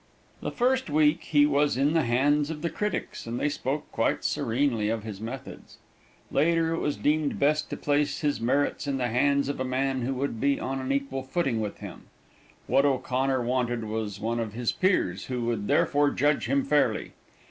The first week he was in the hands of the critics, and they spoke quite serenely of his methods. Later, it was deemed best to place his merits in the hands of a man who would be on an equal footing with him. What O'Connor wanted was one of his peers, who would therefore judge him fairly.